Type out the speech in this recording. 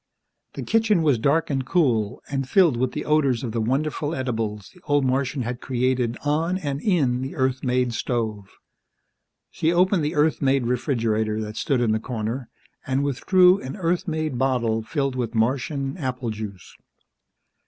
The kitchen was dark and cool, and filled with the odors of the wonderful edibles the old Martian had created on and in the Earth made stove. She opened the Earth made refrigerator that stood in the corner and withdrew an Earth made bottle filled with Martian apple juice.